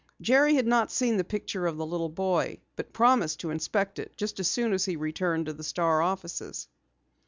Jerry had not seen the picture of the little boy, but promised to inspect it just as soon as he returned to the Star offices.